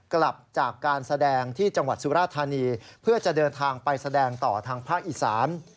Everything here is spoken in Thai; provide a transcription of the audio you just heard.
กลับจากการแสดงที่จังหวัดสุราธานีเพื่อจะเดินทางไปแสดงต่อทางภาคอีสาน